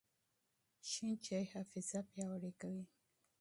شین چای حافظه پیاوړې کوي.